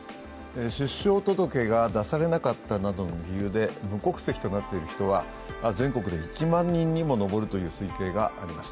出生届が出されなかったなどの理由で無戸籍となっている人は全国で１万人にも上るという推計があります。